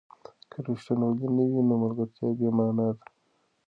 که ریښتینولي نه وي، نو ملګرتیا بې مانا ده.